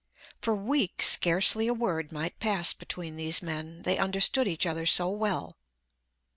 For weeks scarcely a word might pass between these men, they understood each other so well.